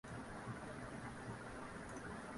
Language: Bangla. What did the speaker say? অনেক ডাক্তার, ইঞ্জিনিয়ার তৈরি করেছি।